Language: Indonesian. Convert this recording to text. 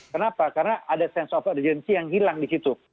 kenapa karena ada sense of urgency yang hilang di situ